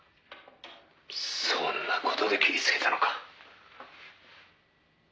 「そんな事で切りつけたのか？」